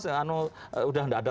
sudah tidak ada tekanan